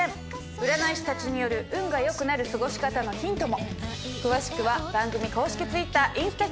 占い師たちによる運が良くなる過ごし方のヒントも。